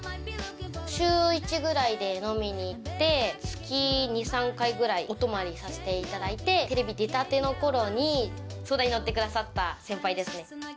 週１ぐらいで飲みに行って月２３回ぐらいお泊まりさせていただいてテレビ出たての頃に相談に乗ってくださった先輩ですね。